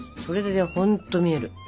それで本当見える。